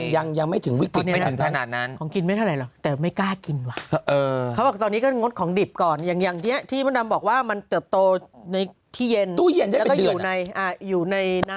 ยังไม่ถึงวิกฤตไม่ถึงขนาดนั้น